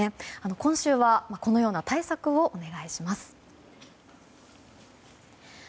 今週はこのような対策をお願いします。